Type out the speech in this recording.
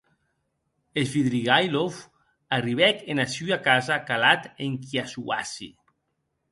Svidrigailov arribèc ena sua casa calat enquias uassi.